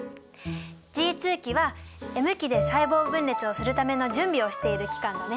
Ｇ期はＭ期で細胞分裂をするための準備をしている期間だね。